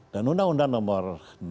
dan undang undang nomor enam